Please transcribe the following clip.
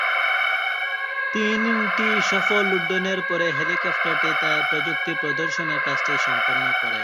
তিনটি সফল উড্ডয়নের পরে হেলিকপ্টারটি তার প্রযুক্তি প্রদর্শনের কাজটি সম্পন্ন করে।